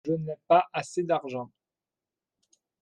Je n'ai pas assez d'argent.